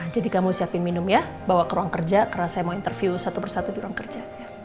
jadi kamu siapin minum ya bawa ke ruang kerja karena saya mau interview satu persatu di ruang kerja